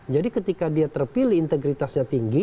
jadi ketika dia terpilih integritasnya tinggi